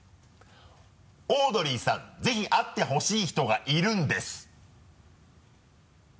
オードリーさん、ぜひ会ってほしい人がいるんです。